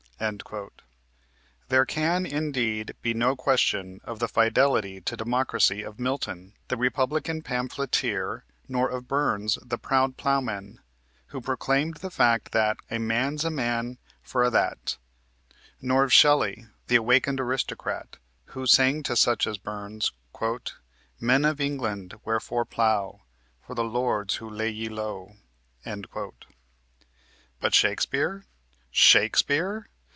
There can, indeed, be no question of the fidelity to democracy of Milton, the republican pamphleteer, nor of Burns, the proud plowman, who proclaimed the fact that "a man's a man for a' that," nor of Shelley, the awakened aristocrat, who sang to such as Burns "Men of England, wherefore plow For the lords who lay ye low?" But Shakespeare? Shakespeare?